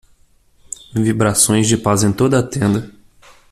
vibrações de paz em toda a tenda.